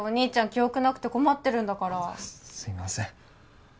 記憶なくて困ってるんだからすいません